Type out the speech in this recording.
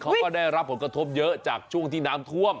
เขาก็ได้รับผลกระทบเยอะจากช่วงที่น้ำท่วม